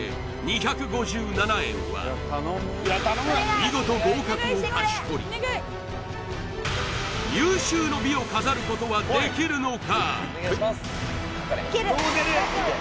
見事合格を勝ち取り有終の美を飾ることはできるのか？